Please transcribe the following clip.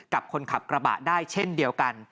กับคนขับกระบะได้เช่นเดียวกัน